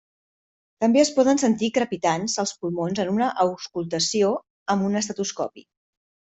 També es poden sentir crepitants als pulmons en una auscultació amb un estetoscopi.